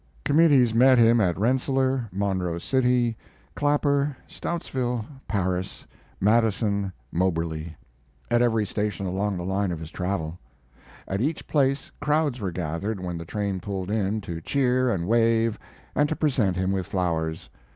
Committees met him at Rensselaer, Monroe City, Clapper, Stoutsville, Paris, Madison, Moberly at every station along the line of his travel. At each place crowds were gathered when the train pulled in, to cheer and wave and to present him with flowers.